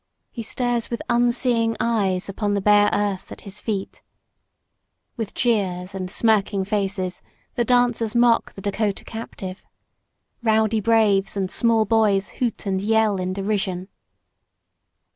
He stares with unseeing eyes upon the bare earth at his feet. With jeers and smirking faces the dancers mock the Dakota captive. Rowdy braves and small boys hoot and yell in derision.